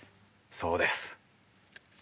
そうです。